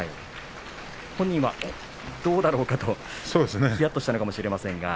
本人はどうなのかなとひやっとしたかもしれません。